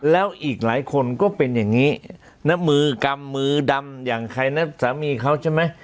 แล้วอีกหลายคนก็เป็นอย่างนี้นะมือกำมือดำอย่างใครนะสามีเขาใช่ไหม